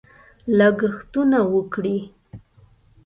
لګښتونه وکړي.